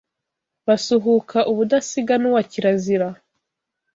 Basuhuka ubudasiga n,uwa kirazira